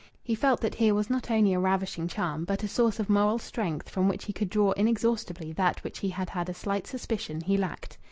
He felt that here was not only a ravishing charm, but a source of moral strength from which he could draw inexhaustibly that which he had had a slight suspicion he lacked.